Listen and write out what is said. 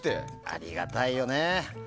ありがたいよね。